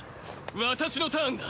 私のターンだ。